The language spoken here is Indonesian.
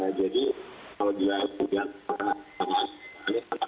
nah jadi kalau dia tidak pernah mengatakan